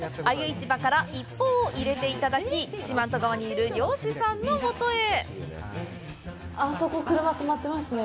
市場から一報を入れていただき四万十川にいる漁師さんの元へ。